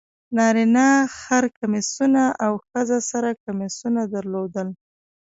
نارینه خر کمیسونه او ښځو سره کمیسونه درلودل.